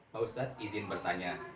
pak ustadz izin bertanya